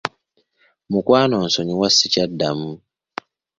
Mukwano nsonyiwa sikyaddamu.